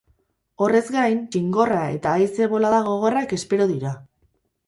Horrez gain, txingorra eta haize-bolada gogorrak espero dira.